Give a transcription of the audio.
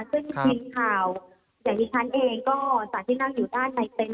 ซึ่งทีมข่าวอย่างที่ฉันเองก็จากที่นั่งอยู่ด้านในเต็นต